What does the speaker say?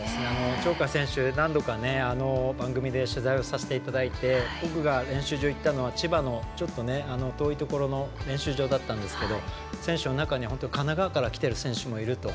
鳥海選手、何度か番組で取材をさせていただいて僕が練習場に行ったのは千葉のちょっと遠いところの練習場だったんですけど選手の中には神奈川から来ている選手もいると。